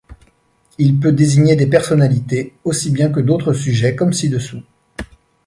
Il peut désigner des personnalités aussi bien que d'autres sujets, comme ci-dessous.